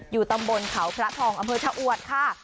อยู่ตำบลเขาพระทองอำเภอชะอวดค่ะ